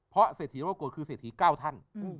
พระเศรษฐีนัวโกรธคือเศรษฐีเก้าท่าน